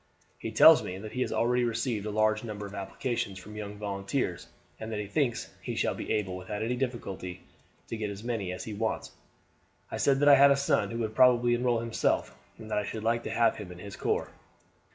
He tells me that he has already received a large number of applications from young volunteers, and that he thinks he shall be able without any difficulty to get as many as he wants. I said that I had a son who would probably enroll himself, and that I should like to have him in his corps.